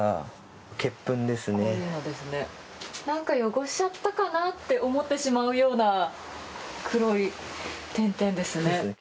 なんか汚しちゃったかなって思ってしまうような黒い点々ですね。